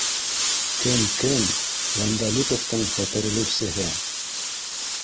Кем, кем, Ғәндәлиповтың һеперелеүсеһе